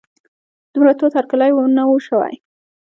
دومره تود هرکلی نه و شوی.